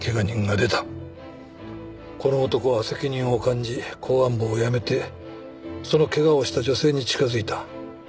この男は責任を感じ公安部を辞めてその怪我をした女性に近づいた。